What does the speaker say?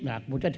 nah kemudian dia